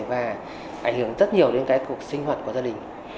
và ảnh hưởng rất nhiều đến cái cuộc sinh hoạt của gia đình